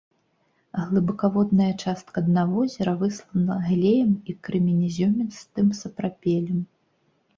Глыбакаводная частка дна возера выслана глеем і крэменязёмістым сапрапелем.